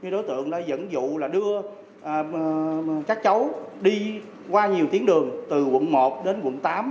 đối tượng đã dẫn dụ đưa các cháu đi qua nhiều tuyến đường từ quận một đến quận tám